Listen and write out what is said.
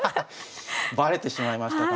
バレてしまいましたか。